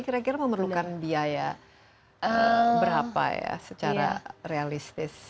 kira kira memerlukan biaya berapa ya secara realistis